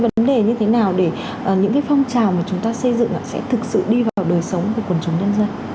vấn đề như thế nào để những phong trào mà chúng ta xây dựng sẽ thực sự đi vào đời sống của quần chúng nhân dân